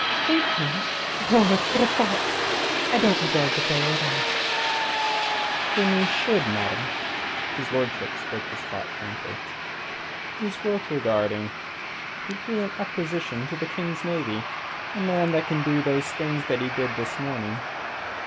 "Hate him? Lord! What a thought! I don't regard the fellow at all." "Then ye should, ma'am." His lordship spoke his thought frankly. "He's worth regarding. He'd be an acquisition to the King's navy a man that can do the things he did this morning.